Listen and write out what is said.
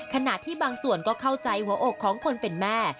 ขณะที่บางส่วนก็เข้าใจหัวอกของคนเป็นแม่